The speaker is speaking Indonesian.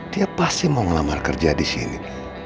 dia pasti mau ngelamar kerja disini